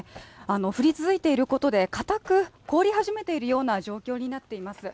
降り続いていることで、かたく凍り始めているような状況になっています。